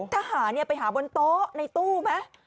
ทหารไปหาบนโต๊ะในตู้ไหม